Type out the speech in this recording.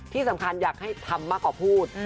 ที่สำคัญอยากให้ทำมากกว่าพูด